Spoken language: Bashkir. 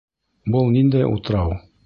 Был ниндәй утрау?